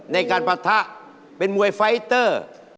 ในการปะทะเป็นมวยไฟเตอร์